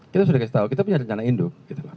kita sudah kasih tahu kita punya rencana induk